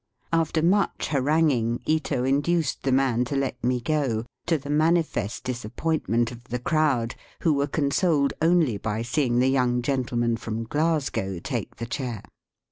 After much haranguing, Ito induced the man to let me go, to the manifest disappoint ment of the crowd, who were consoled only by seeing the young gentleman from Glasgow take the chair.